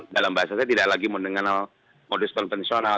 dalam bahasa saya tidak lagi mengenal modus konvensional